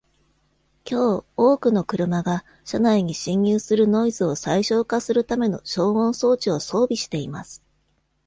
今日、多くの車が、車内に侵入するノイズを最小化するための消音装置を装備しています。